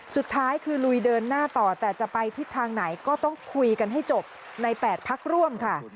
สุดท้ายคือลุยเดินหน้าต่อแต่จะไปทิศทางไหนก็ต้องคุยกันให้จบใน๘พักร่วมค่ะ